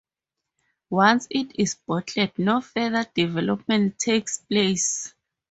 Once it is bottled no further development takes place.